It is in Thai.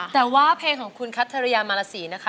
แต่ว่าเพลงของคุณคัทธริยามารสีนะคะ